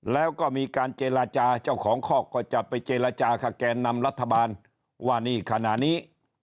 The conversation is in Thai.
แล้วก็มีการเจรจาเจ้าของคอกก็จะไปเจรจากับแกนนำรัฐบาลว่านี่ขณะนี้